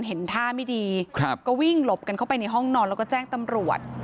เห็นท่าไม่ดีครับก็วิ่งหลบกันเข้าไปในห้องนอนแล้วก็แจ้งตำรวจ